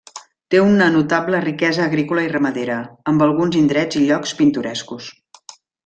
Té una notable riquesa agrícola i ramadera, amb alguns indrets i llocs pintorescos.